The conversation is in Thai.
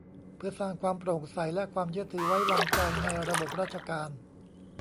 เพื่อสร้างความโปร่งใสและความเชื่อถือไว้วางใจในระบบราชการ